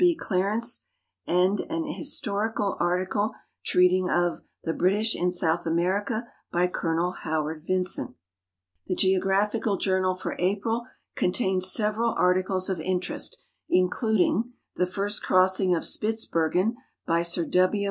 B. Clarence and an his torical article treating of "The British in .^outh .Vmerica" liy Colonel Howard Vincent. 158 GEOGRAPHIC SERIALS The Geographical Journal for April contains several articles of interest, including " The First Crossing of Spitzbergen," by Sir W.